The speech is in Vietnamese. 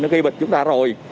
nó gây bệnh chúng ta rồi